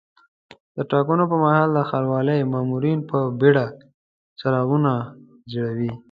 د ټاکنو پر مهال د ښاروالۍ مامورین په بیړه څراغونه ځړوي.